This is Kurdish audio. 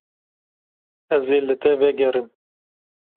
Ez ê li te vegerim.